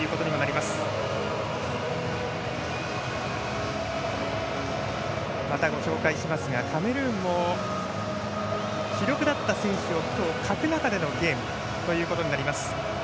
またご紹介しますがカメルーンも主力だった選手を欠く中でのゲームとなります。